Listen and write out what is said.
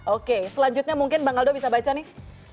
oke selanjutnya mungkin bang aldo bisa baca nih